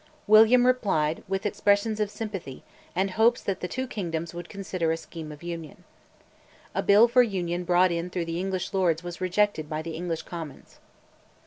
William replied with expressions of sympathy and hopes that the two kingdoms would consider a scheme of Union. A Bill for Union brought in through the English Lords was rejected by the English Commons.